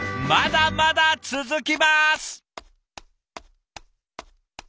まだまだ続きます！